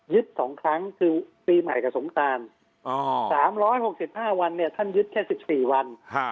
๒ครั้งคือปีใหม่กับสงการ๓๖๕วันเนี่ยท่านยึดแค่๑๔วัน